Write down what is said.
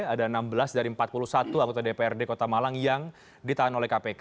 ada enam belas dari empat puluh satu anggota dprd kota malang yang ditahan oleh kpk